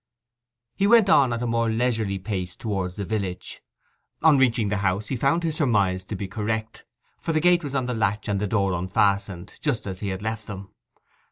He went on at a more leisurely pace towards the village. On reaching the house he found his surmise to be correct, for the gate was on the latch, and the door unfastened, just as he had left them.